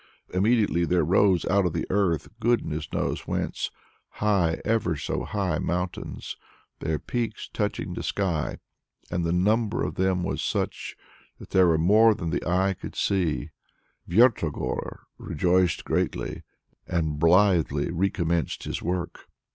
Immediately there rose out of the earth, goodness knows whence, high, ever so high mountains, their peaks touching the sky. And the number of them was such that there were more than the eye could see! Vertogor rejoiced greatly and blithely recommenced his work.